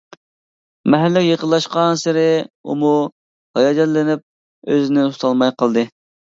مەھەللىگە يېقىنلاشقانسېرى ئۇمۇ ھاياجانلىنىپ ئۆزىنى تۇتالماي قالدى.